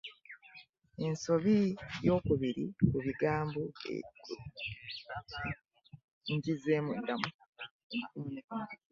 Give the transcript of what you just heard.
Ensobi ey'okubiri ku kigambo ekyo eri nti: